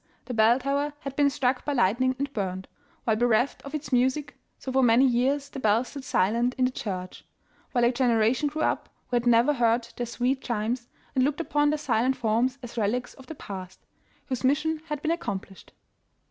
the bell tower had been struck by lightning and burned, while bereft of its music, so for many years the bells stood silent in the church, while a generation grew up who had never heard their sweet 18 The Village School and Bells chimes, and looked upon their silent forms as relics of the past, whose mission had been accomplished.